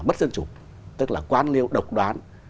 bất dân chủ tức là quan liêu độc đoán